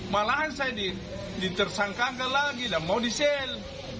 malahan saya ditersangkankan lagi dan mau disel